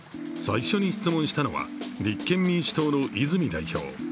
最初に質問したのは立憲民主党の泉代表。